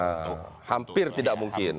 untuk hampir tidak mungkin